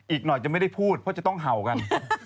อีกหน่อยจะไม่ได้พูดเพราะจะต้องเห่ากัน